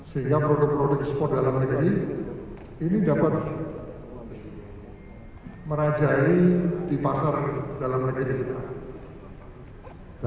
sehingga produk produk sport dalam negeri ini dapat merajai di pasar dalam negeri kita